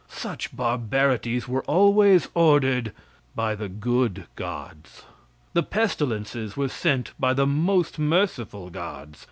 Such barbarities were always ordered by the good gods. The pestilences were sent by the most merciful gods.